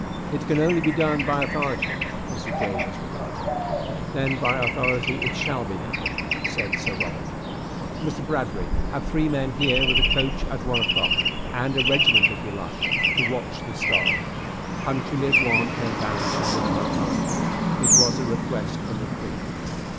"It can only be done by authority," was the jailer's reply. "Then by authority it shall be done," said Sir Robert "Mr. Bradbury, have three men here with a coach at one o'clock, and a regiment, if you like, to watch the 'Star.'" Punctually at one came Barrington with an authority. It was a request from the Queen.